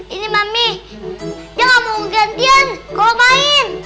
ini mami dia gak mau gantian kok main